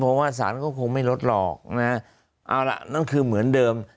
เพราะว่าสารก็คงไม่ลดหรอกนะเอาล่ะนั่นคือเหมือนเดิม